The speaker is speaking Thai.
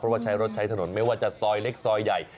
เพราะว่าใช้รถใช้ถนนไม่ว่าจะซอยเล็กซอยใหญ่